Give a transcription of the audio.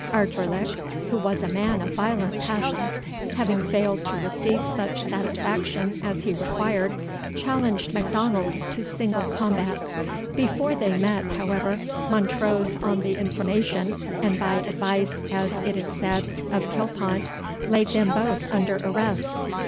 Ardvoirlich, who was a man of violent passions, having failed to receive such satisfaction as he required, challenged Macdonald to single combat. Before they met, however, Montrose, on the information and by advice, as it is said, of Kilpont, laid them both under arrest.